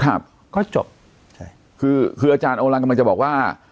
ครับก็จบใช่คือคืออาจารย์โอลังกำลังจะบอกว่า